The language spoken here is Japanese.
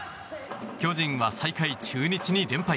巨人は最下位中日に連敗。